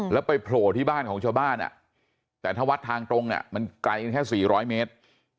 แล้วไปโผล่ที่บ้านของชาวบ้านแต่ถ้าวัดทางตรงมันไกลแค่๔๐๐เมตร